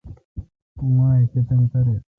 اوں ماہ ئ کتم تاریخ؟